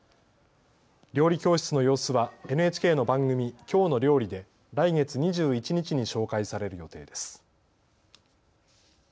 料理教室の様子はＮＨＫの番組、きょうの料理で来月２１日に紹介される予定です。